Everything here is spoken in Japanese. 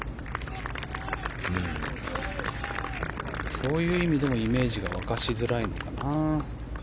そういう意味でのイメージがわかしづらいのかな。